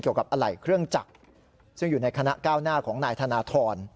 กับอะไหล่เครื่องจักรซึ่งอยู่ในคณะก้าวหน้าของนายธนทร